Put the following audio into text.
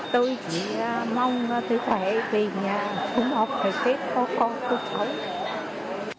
tôi chỉ mong tươi khỏe vì không học ngày tết có tốt kháu